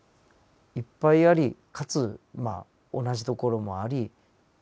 いっぱいありかつ同じところもあり。